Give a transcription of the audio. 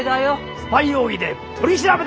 スパイ容疑で取り調べだ！